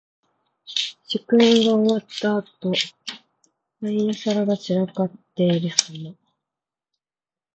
酒宴が終わったあと、杯や皿が散らかっているさま。